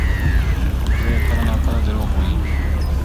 زوی یې کله ناکله دروغ وايي.